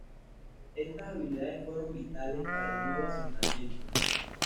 Estas habilidades fueron vitales para el nuevo asentamiento.